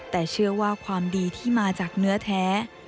แต่เชื่อว่าความดีที่มาจากเนื้อแท้